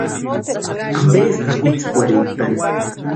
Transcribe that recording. ¿Ampeski akwitsikwarhintʼani?